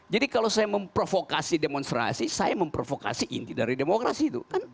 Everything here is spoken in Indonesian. jadi kalau saya memprovokasi demonstrasi saya memprovokasi inti dari demokrasi